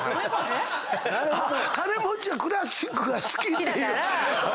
金持ちはクラシックが好きっていう。